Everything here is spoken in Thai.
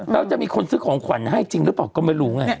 แล้วจะมีคนซื้อของขวัญให้จริงหรือเปล่าก็ไม่รู้ไง